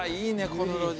この路地。